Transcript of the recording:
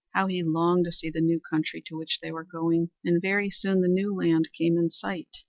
How he longed to see the new country to which they were going! And very soon the New Land came in sight.